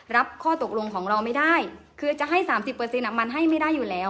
รับข้อตกลงของเราไม่ได้คือจะให้สามสิบเปอร์เซ็นต์อะมันให้ไม่ได้อยู่แล้ว